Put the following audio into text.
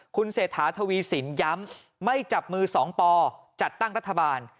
คุณเศรษฐาทวีสินย้ำไม่จับมือสองปอจัดตั้งรัฐบาล